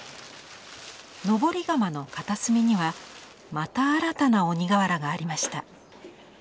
登り窯の片隅にはまた新たな鬼瓦がありました。